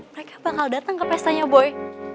mereka bakal dateng ke pesta nya boy